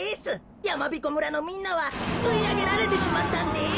やまびこ村のみんなはすいあげられてしまったんです。